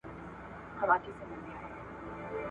چي د سپي سترګي سوې خلاصي په غپا سو `